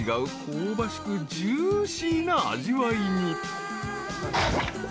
香ばしくジューシーな味わいに］